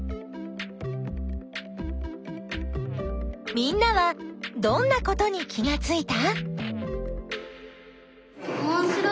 みんなはどんなことに気がついた？